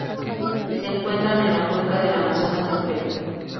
Se encuentran en la cuenca del Amazonas, en Perú.